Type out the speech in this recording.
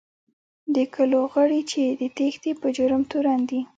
د کلو غړي چې د تېښتې په جرم تورن دي.